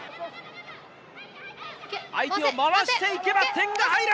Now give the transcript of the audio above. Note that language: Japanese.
相手を回していけば、点が入る！